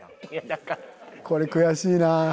これ悔しいな。